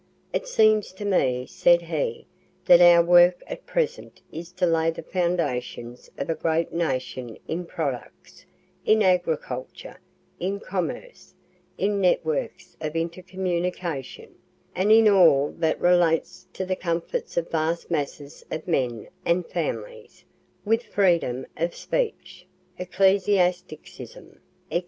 'It seems to me,' said he,'that our work at present is to lay the foundations of a great nation in products, in agriculture, in commerce, in networks of intercommunication, and in all that relates to the comforts of vast masses of men and families, with freedom of speech, ecclesiasticism, &c.